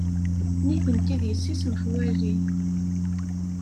Nitenti d yessi-s n xwali.